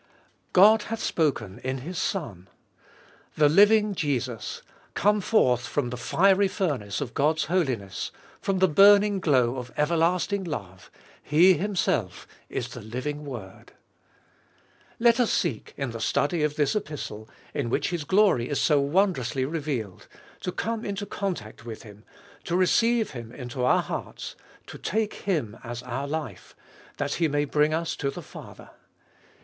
God hath spoken in His Son ! The living Jesus, come forth 3 34 Gbe Iboliest of 2UI from the fiery furnace of God's holiness, from the burning glow of everlasting love, He Himself is the living Word. Let us seek in the study of this Epistle, in which His glory is so wondrously revealed, to come into contact with Him, to receive Him into our hearts, to take Him as our life, that He may bring us to the Father.